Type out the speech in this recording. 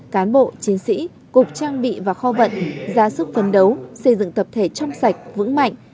cán bộ chiến sĩ cục trang bị và kho vận ra sức phấn đấu xây dựng tập thể trong sạch vững mạnh